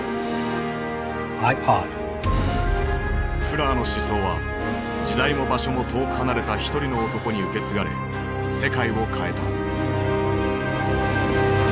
フラーの思想は時代も場所も遠く離れた一人の男に受け継がれ世界を変えた。